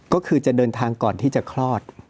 ก็คือจะเดินทางก่อนที่จะคลอด